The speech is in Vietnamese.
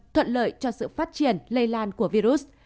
thuận lợi cho sự phát triển lây lan của virus